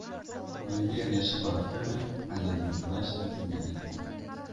Oyimga ergashib borarkanman, allanimani g‘ira-shira tushun- gandek bo‘ldim.